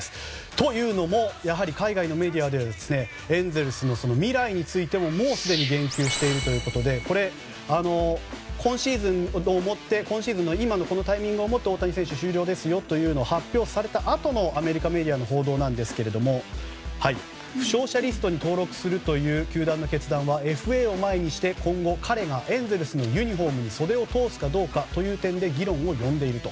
というのも、海外のメディアではエンゼルスの未来についてももうすでに言及しているということで今シーズンの今のこのタイミングをもって大谷選手終了ですよと発表されたあとのアメリカメディアの報道ですが負傷者リストに登録するという球団の決断はＦＡを前にして、今後彼がエンゼルスのユニホームに袖を通すかどうかという点で議論を呼んでいると。